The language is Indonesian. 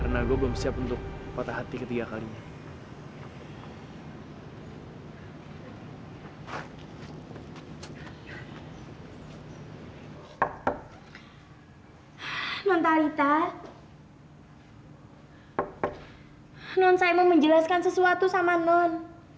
karena saya mau menjelaskan sesuatu sama non